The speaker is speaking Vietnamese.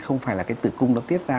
không phải là cái tử cung nó tiết ra